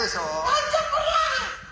何じゃこりゃ！